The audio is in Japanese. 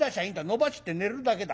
伸ばして寝るだけだ。